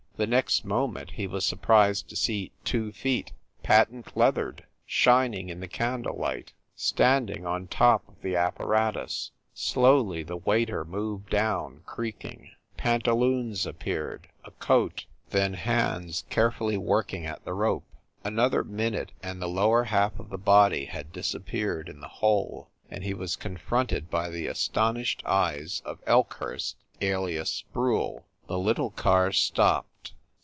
The next moment he was sur prised to see two feet, patent leathered, shining in the candle light, standing on top of the apparatus. Slowly the waiter moved down, creaking. Panta loons appeared, a coat, then hands carefully work ing at the rope. Another minute and the lower half of the body had disappeared in the hole and he was confronted by the astonished eyes of Elkhurst, alias Sproule. The little car stopped.